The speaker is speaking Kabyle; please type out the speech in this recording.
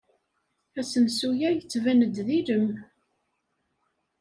Asensu-a yettban-d d ilem.